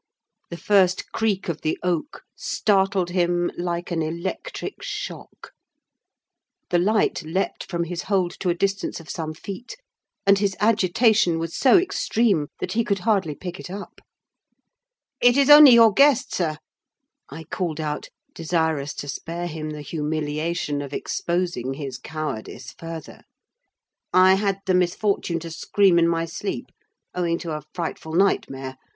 The first creak of the oak startled him like an electric shock: the light leaped from his hold to a distance of some feet, and his agitation was so extreme, that he could hardly pick it up. "It is only your guest, sir," I called out, desirous to spare him the humiliation of exposing his cowardice further. "I had the misfortune to scream in my sleep, owing to a frightful nightmare.